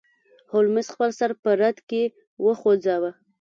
هولمز خپل سر په رد کې وخوزاوه.